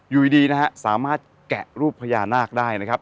อยู่ดีนะฮะสามารถแกะรูปพญานาคได้นะครับ